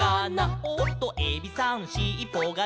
「おっとエビさんしっぽがでてるよ」